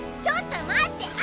ちょっと待って！